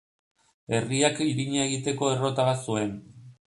Herriak irina egiteko errota bat zuen.